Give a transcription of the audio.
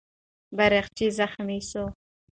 بیرغچی زخمي سو.